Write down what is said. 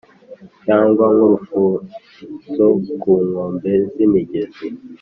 cyangwa nk’urufunzo ku nkombe z’imigezi.